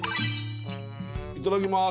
いただきます。